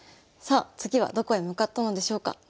さあ次はどこへ向かったのでしょうか。